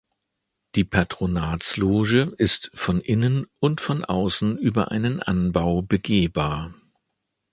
Die Patronatsloge ist von innen und von außen über einen Anbau begehbar.